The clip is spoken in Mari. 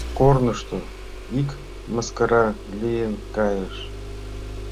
Корнышто ик мыскара лийын кайыш.